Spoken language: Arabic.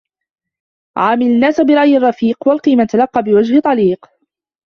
عامل الناس برأي رفيق والق من تلقى بوجه طليق